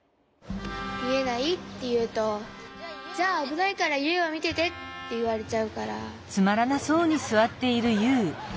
みえないっていうと「じゃあぶないからユウはみてて」っていわれちゃうから。